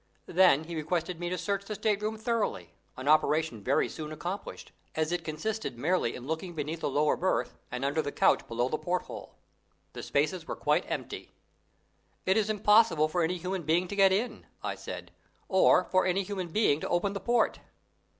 Then he requested me to search the stateroom thoroughly, an operation very soon accomplished, as it consisted merely in looking beneath the lower berth and under the couch below the porthole. The spaces were quite empty. "It is impossible for any human being to get in," I said, "or for any human being to open the port."